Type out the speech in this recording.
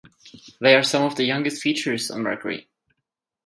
They are some of the youngest features on Mercury.